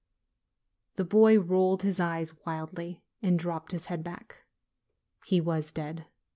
The boy rolled his eyes wildly and dropped his head back. He was dead.